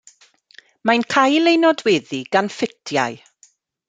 Mae'n cael ei nodweddu gan ffitiau.